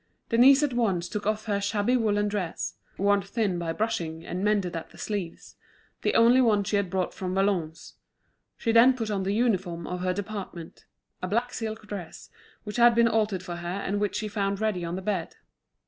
Denise at once took off her shabby woollen dress, worn thin by brushing and mended at the sleeves, the only one she had brought from Valognes; she then put on the uniform of her department, a black silk dress which had been altered for her and which she found ready on the bed.